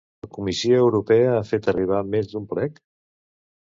La Comissió Europea ha fet arribar més d'un plec?